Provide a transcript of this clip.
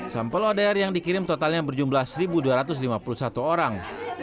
sampel odr yang dikirim totalnya berjumlah satu dua ratus lima puluh satu orang